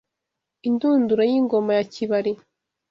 Indunduro y’Ingoma ya Kibali